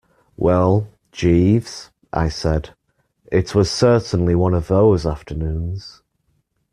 "Well, Jeeves," I said, "it was certainly one of those afternoons."